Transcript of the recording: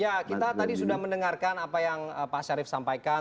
ya kita tadi sudah mendengarkan apa yang pak syarif sampaikan